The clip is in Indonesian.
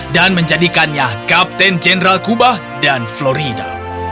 dan menjadikannya kapten jenderal cuba dan florida